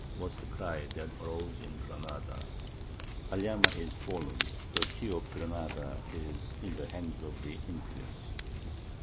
was the cry that arose in Granada; "Alhama is fallen; the key of Granada is in the hands of the infidels!"